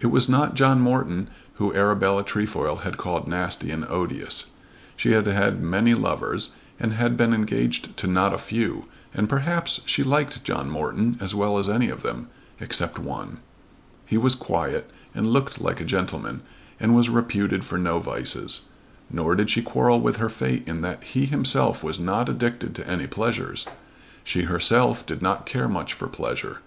It was not John Morton whom Arabella Trefoil had called nasty and odious. She had had many lovers, and had been engaged to not a few, and perhaps she liked John Morton as well as any of them, except one. He was quiet, and looked like a gentleman, and was reputed for no vices. Nor did she quarrel with her fate in that he himself was not addicted to any pleasures. She herself did not care much for pleasure.